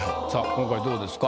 今回どうですか？